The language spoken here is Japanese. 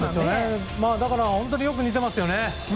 だから本当によく似てますよね。